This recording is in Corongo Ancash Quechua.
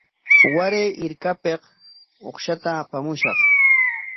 Waray hirpapik uqshata apamushaq.